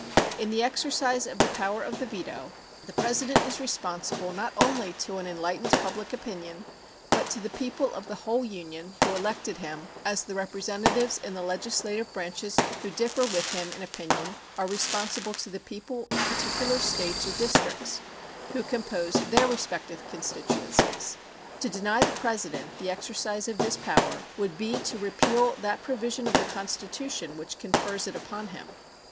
In the exercise of the power of the veto the President is responsible not only to an enlightened public opinion, but to the people of the whole Union, who elected him, as the representatives in the legislative branches who differ with him in opinion are responsible to the people of particular States or districts, who compose their respective constituencies. To deny to the President the exercise of this power would be to repeal that provision of the Constitution which confers it upon him.